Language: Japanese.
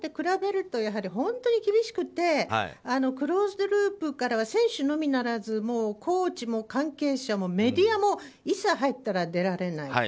比べると、本当に厳しくてクローズドループからは選手のみならずコーチも関係者もメディアも一切出られない。